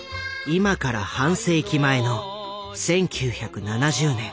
今から半世紀前の１９７０年。